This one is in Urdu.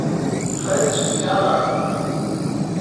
French Guiana